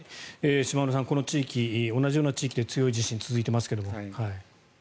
島村さん、この地域同じような地域で強い地震が続いていますが。